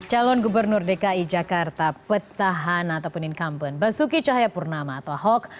calon gubernur dki jakarta petahana ataupun incampen basuki cahaya purnama atau ahok